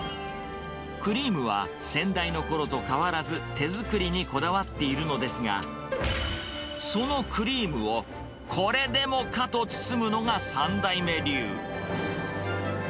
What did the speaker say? クリームは先代のころと変わらず手作りにこだわっているのですが、そのクリームをこれでもかと包むのが３代目流。